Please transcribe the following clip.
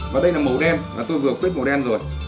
và đây là màu đen mà tôi vừa quyết màu đen rồi